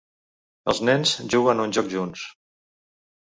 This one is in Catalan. Els nens juguen a un joc junts.